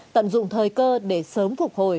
tận dụng thời cơ để sớm phục hồi